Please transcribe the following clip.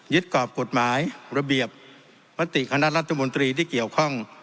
กรอบกฎหมายระเบียบมติคณะรัฐมนตรีที่เกี่ยวข้อง